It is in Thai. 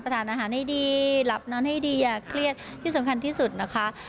ที่สำคัญที่สุดนะคะ